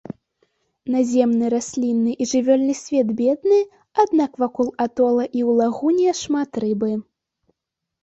Наземны раслінны і жывёльны свет бедны, аднак вакол атола і ў лагуне шмат рыбы.